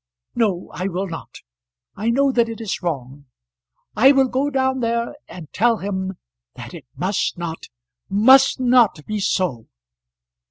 "No, I will not. I know that it is wrong. I will go down there, and tell him that it must not must not be so.